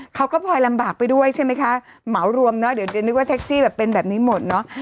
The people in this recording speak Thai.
พลอยลำบากไปด้วยใช่ไหมคะเหมารวมเนอะเดี๋ยวจะนึกว่าแท็กซี่แบบเป็นแบบนี้หมดเนอะ